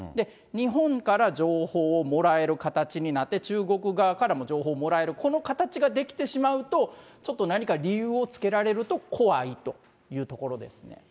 日本から情報をもらえる形になって、中国側からも情報をもらえる、この形ができてしまうと、ちょっと何か理由をつけられると怖いというところですね。